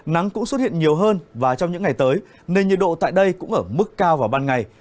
nắng cũng xuất hiện nhiều hơn và trong những ngày tới nền nhiệt độ tại đây cũng ở mức cao vào ban ngày